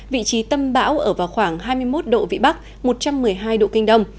vị trí tâm bão ở vào khoảng hai mươi một độ vĩ bắc một trăm một mươi hai độ kinh đông